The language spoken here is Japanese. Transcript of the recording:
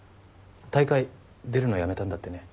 大会出るのやめたんだってね。